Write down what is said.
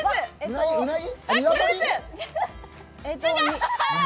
うなぎ？